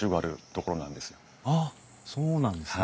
あっそうなんですね。